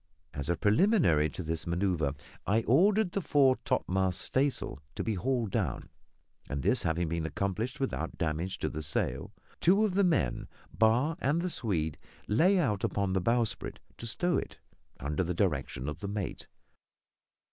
As a preliminary to this manoeuvre. I ordered the fore topmast staysail to be hauled down; and this having been accomplished without damage to the sail, two of the men Barr and the Swede lay out upon the bowsprit to stow it, under the direction of the mate.